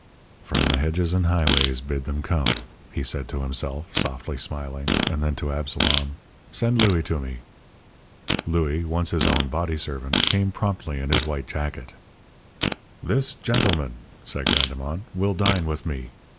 "From the hedges and highways bid them come," he said to himself, softly smiling. And then to Absalom: "Send Louis to me." Louis, once his own body servant, came promptly, in his white jacket. "This gentleman," said Grandemont, "will dine with me.